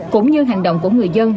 cũng như hành động của người dân